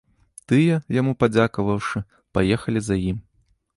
Тыя, яму падзякаваўшы, паехалі за ім.